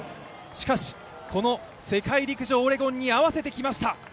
しかしこの世界陸上オレゴンに合わせてきました。